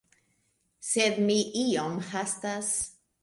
Sed mi iom hastas.